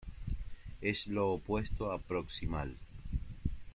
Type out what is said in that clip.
Es lo opuesto a proximal.